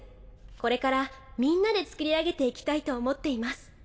これからみんなでつくり上げていきたいと思っています。